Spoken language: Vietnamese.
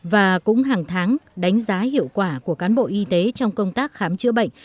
và cũng hàng tháng đánh giá hiệu quả của cán bộ y tế trong công tác khám chữa bệnh